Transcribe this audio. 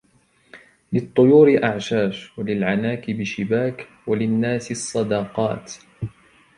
للطيور اعشاش ، وللعناكب شباك ، وللناس الصداقات.